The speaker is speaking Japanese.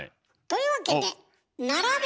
というわけでん！